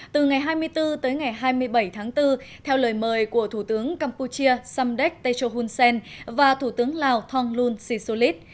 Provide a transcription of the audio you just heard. từ ngày hai mươi bốn tới ngày hai mươi bảy tháng bốn theo lời mời của thủ tướng campuchia samdech techo hun sen và thủ tướng lào thonglun sisulit